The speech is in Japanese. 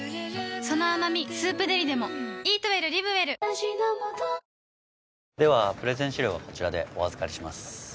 その甘み「スープデリ」でもではプレゼン資料はこちらでお預かりします